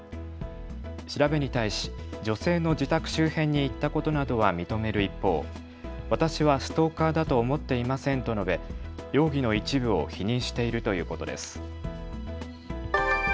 調べに対し女性の自宅周辺に行ったことなどは認める一方、私はストーカーだと思っていませんと述べ容疑の一部を否認しているということです。